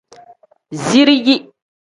Zirigi.